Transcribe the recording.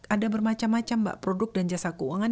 ada bermacam macam mbak produk dan jasa keuangan